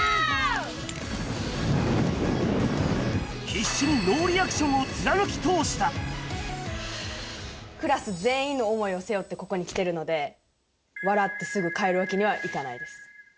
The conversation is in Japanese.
必死にノーリアクションを貫クラス全員の思いを背負ってここに来てるので、笑ってすぐ帰るわけにはいかないです。